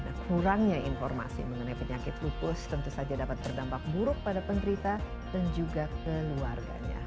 nah kurangnya informasi mengenai penyakit lupus tentu saja dapat berdampak buruk pada penderita dan juga keluarganya